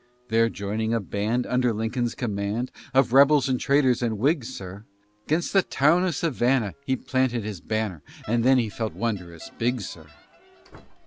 There joining a band Under Lincoln's command, Of rebels and traitors and Whigs, sir, 'Gainst the town of Savannah He planted his banner, And then he felt wondrous big, sir.